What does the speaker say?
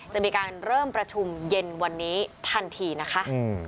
จะมีการเริ่มประชุมเย็นวันนี้ทันทีนะคะ